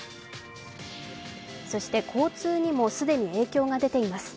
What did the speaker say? そして交通にも既に影響が出ています。